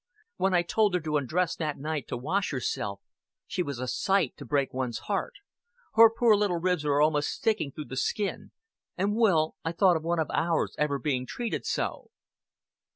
"When I told her to undress that night to wash herself, she was a sight to break one's heart. Her poor little ribs were almost sticking through the skin; and, Will, I thought of one of ours ever being treated so."